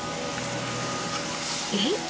えっ？